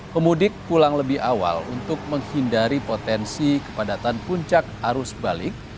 pemudik pulang lebih awal untuk menghindari potensi kepadatan puncak arus balik